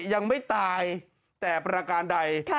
ยังไม่ตายแต่ประการใด